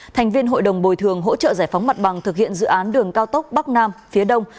thành viên hội đồng bồi thường hỗ trợ giải phóng mặt bằng thực hiện dự án đường cao tốc bắc nam phía đông